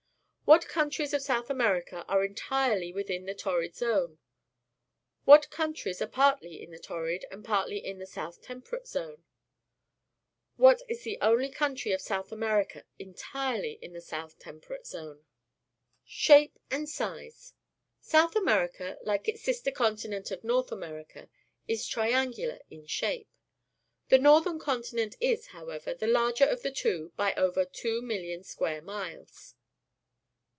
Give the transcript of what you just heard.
What countries of South America arc entirely within the Torrid Zone? What countries are partly in the Torrid and partly in the South Temperate Zone? What is the only country of South America entirely in the South Temperate Zone? Shape and Size. — South America, like its sister continent of North America, is tri angular in shape. The northern continent is, however, the larger of the two by over 2,000,000 square miles.